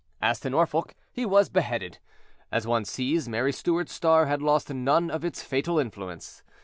As to Norfolk, he was beheaded. As one sees, Mary Stuart's star had lost none of its fatal influence.